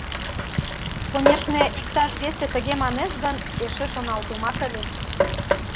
— Конешне, иктаже весе тыге манеш гын, эше шоналтемат ыле.